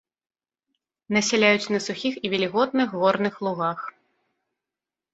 Насяляюць на сухіх і вільготных горных лугах.